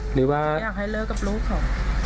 หรือว่าอยากให้เลิกกับลูกเขา